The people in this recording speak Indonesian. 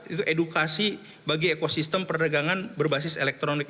itu edukasi bagi ekosistem perdagangan berbasis elektronik